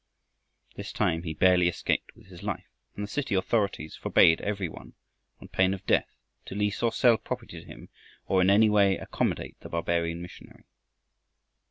This time he barely escaped with his life, and the city authorities forbade every one, on pain of death, to lease or sell property to him or in any way accommodate the barbarian missionary.